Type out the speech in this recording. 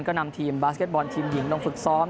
ก็นำทีมบาสเก็ตบอลทีมหญิงลงฝึกซ้อม